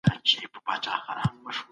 د لويي جرګې مشر ولي په احتیاط ټاکل کېږي؟